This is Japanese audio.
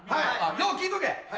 よう聞いとけ！